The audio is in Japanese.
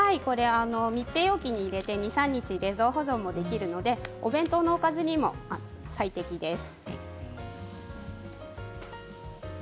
密閉容器に入れて２、３日、冷蔵保存ができるのでお弁当のおかずにも最適です。